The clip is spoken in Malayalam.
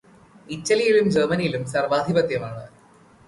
ഇറ്റലിയിലും ജർമനിയിലും സർവാധിപത്യമാണ്.